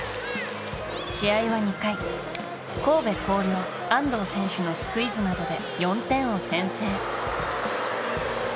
試合は２回神戸弘陵アンドウ選手のスクイズなどで４点を先制。